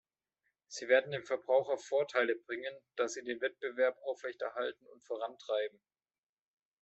Sie werden dem Verbraucher Vorteile bringen, da sie den Wettbewerb aufrechterhalten und vorantreiben.